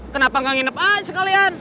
kenapa gak nginep aja sekalian